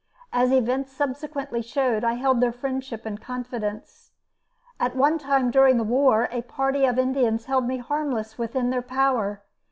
As events subsequently showed, I held their friendship and confidence. At one time, during the war, a party of Indians held me harmless within their power.